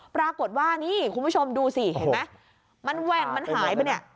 ปรากฏว่านี่คุณผู้ชมดูสิเห็นไหมมันแหว่งมันหายไปเนี่ย